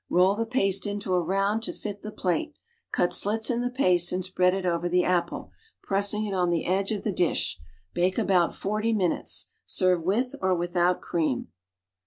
Roll the paste into a round to fit the plate. Cut .slits in the paste and spread it over the apple, pressing it on the edge of the dish. Bake about forty minutes. Serve with or without cream.